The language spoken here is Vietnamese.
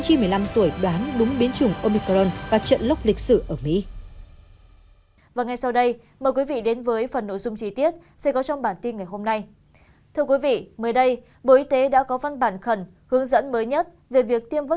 hãy đăng ký kênh để ủng hộ kênh của chúng mình nhé